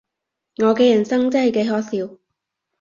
我嘅人生真係幾可笑